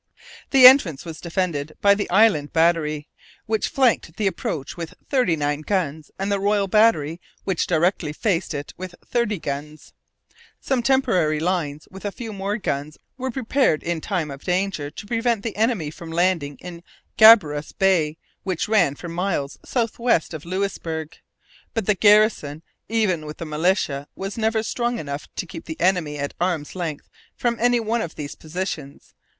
The entrance was defended by the Island Battery, which flanked the approach with thirty nine guns, and the Royal Battery, which directly faced it with thirty guns. Some temporary lines with a few more guns were prepared in time of danger to prevent the enemy from landing in Gabarus Bay, which ran for miles south west of Louisbourg. But the garrison, even with the militia, was never strong enough to keep the enemy at arm's length from any one of these positions.